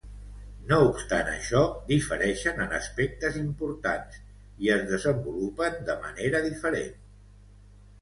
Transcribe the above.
No obstant això, difereixen en aspectes importants i es desenvolupen de manera diferent.